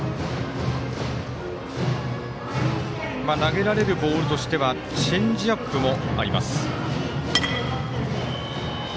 投げられるボールとしてはチェンジアップもあります。